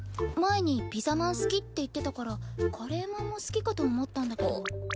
前にピザまん好きって言ってたからカレーまんも好きかと思ったんだけど。